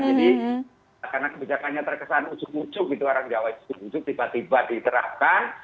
jadi karena kebijakannya terkesan ujug ujug gitu orang jawa itu tiba tiba diterapkan